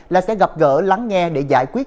là sẽ gặp gỡ lắng nghe để giải quyết